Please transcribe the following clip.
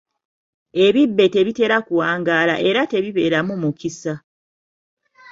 Ebibbe tebitera kuwangaala era tebibeeramu mukisa.